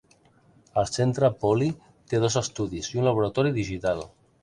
El centre Pauley té dos estudis i un laboratori digital.